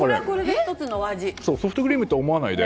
ソフトクリームと思わないで。